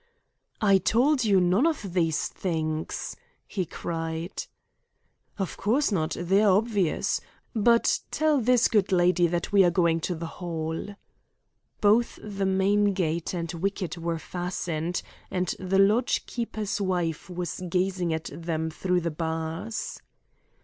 "I told you none of these things," he cried. "Of course not. They are obvious. But tell this good lady that we are going to the Hall." Both the main gate and wicket were fastened, and the lodge keeper's wife was gazing at them through the bars.